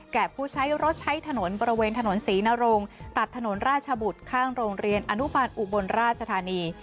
ผู้ใช้รถใช้ถนนบริเวณถนนศรีนรงตัดถนนราชบุตรข้างโรงเรียนอนุบาลอุบลราชธานี